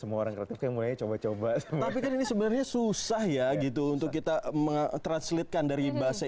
semua orang ketemu ya coba coba sebenarnya susah ya gitu untuk kita mengekonsultkan dari bahasa